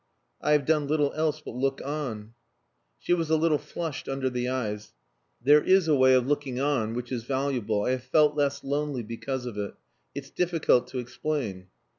"I have done little else but look on." She was a little flushed under the eyes. "There is a way of looking on which is valuable I have felt less lonely because of it. It's difficult to explain."